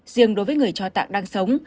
riêng đối với người cho tạng đang sống